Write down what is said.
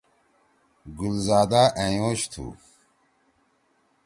گل زادا أئینوش تُھو۔